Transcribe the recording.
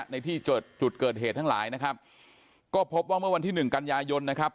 ในที่จุดเกิดเหตุทั้งหลายนะครับก็พบว่าเมื่อวันที่หนึ่งกันยายนนะครับ